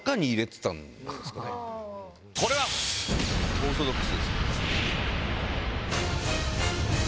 オーソドックスですけど。